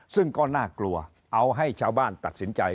ซึ่งก็น่ากลัวเอาให้ชาวบ้านตัดสินใจ